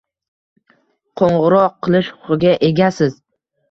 «Qo‘ng‘iroq qilish huquqiga egasiz!»